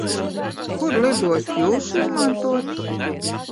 Kuru lidostu Jūs izmantotu?